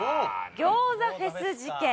「餃子フェス事件」